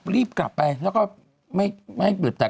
รีบกลับไปแล้วก็ไม่ให้เปิดแต่